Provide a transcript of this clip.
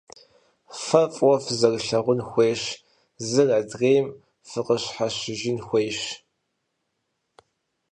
Фэ фӀыуэ фызэрылъагъун хуейщ, зыр адрейм фыкъыщхьэщыжын хуейщ.